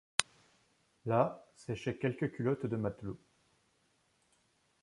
Là séchaient quelques culottes de matelot